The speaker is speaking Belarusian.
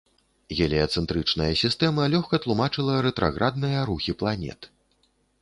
Геліяцэнтрычная сістэма лёгка тлумачыла рэтраградныя рухі планет.